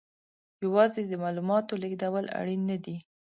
یوازې د معلوماتو لېږدول اړین نه دي.